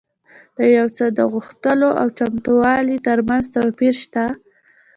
د یو څه د غوښتلو او چمتووالي ترمنځ توپیر شته